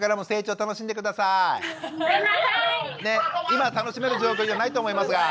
今楽しめる状況じゃないと思いますが。